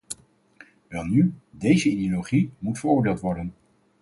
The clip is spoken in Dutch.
Welnu, deze ideologie moet veroordeeld worden.